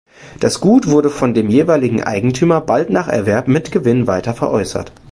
Das Gut wurde von dem jeweiligen Eigentümer bald nach Erwerb mit Gewinn weiter veräußert.